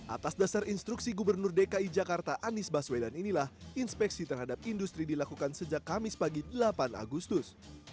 atas dasar instruksi gubernur dki jakarta anies baswedan inilah inspeksi terhadap industri dilakukan sejak kamis pagi delapan agustus